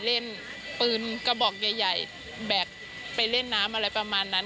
เล่นปืนกระบอกใหญ่แบกไปเล่นน้ำอะไรประมาณนั้น